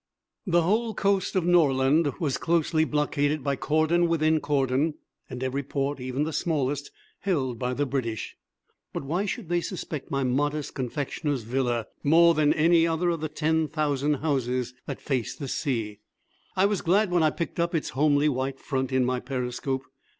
The whole coast of Norland was closely blockaded by cordon within cordon, and every port, even the smallest, held by the British. But why should they suspect my modest confectioner's villa more than any other of the ten thousand houses that face the sea? I was glad when I picked up its homely white front in my periscope.